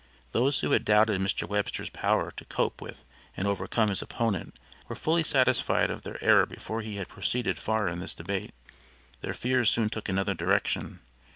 Those who had doubted Mr. Webster's power to cope with and overcome his opponent were fully satisfied of their error before he had proceeded far in this debate. Their fears soon took another direction.